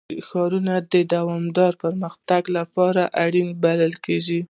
ښارونه د دوامداره پرمختګ لپاره اړین بلل کېږي.